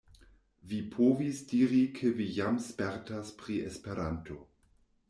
Vi povis diri ke vi jam spertas pri Esperanto.